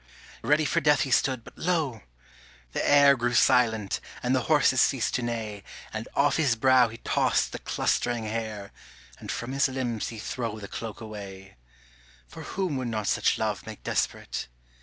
Ready for death he stood, but lo! the air Grew silent, and the horses ceased to neigh, And off his brow he tossed the clustering hair, And from his limbs he throw the cloak away; For whom would not such love make desperate?